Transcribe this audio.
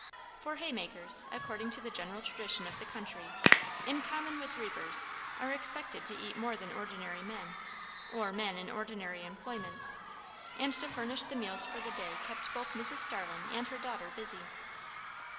For haymakers, according to the general tradition of the country, in common with reapers, are expected to eat more than ordinary men, or men in ordinary employments; and to furnish the meals for the day kept both Mrs. Starling and her daughter busy.